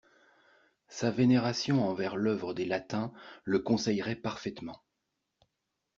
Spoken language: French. Sa vénération envers l'œuvre des Latins le conseillerait parfaitement.